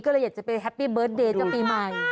ก็เลยอยากจะไปแฮปปี้เบิร์ตเดย์เจ้าปีใหม่